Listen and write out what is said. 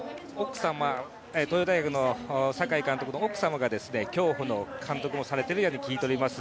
東洋大学の酒井監督の奥様が競歩の監督もされていると聞いております。